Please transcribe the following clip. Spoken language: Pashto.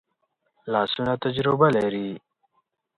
لاسونه تجربه لري